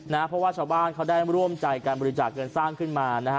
เพราะว่าชาวบ้านเขาได้ร่วมใจการบริจาคเงินสร้างขึ้นมานะฮะ